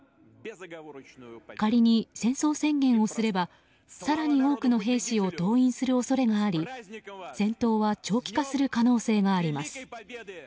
仮に戦争宣言をすれば更に多くの兵士を動員する恐れがあり、戦闘は長期化する可能性があります。